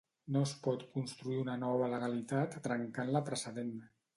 No es pot construir una nova legalitat trencant la precedent